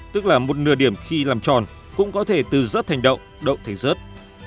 tức là một nửa điểm khi làm tròn cũng có thể từ rớt thành đậu đậu thành rớt